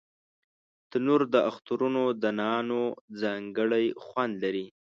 تنور د اخترونو د نانو ځانګړی خوند لري